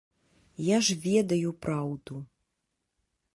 Я ж ведаю праўду.